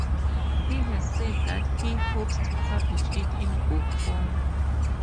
He has said that he hopes to publish it in book form.